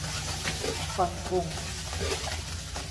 ฟันธง !